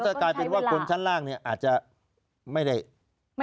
ก็จะกลายเป็นว่าคนชั้นล่างนี่อาจจะไม่ได้บุญ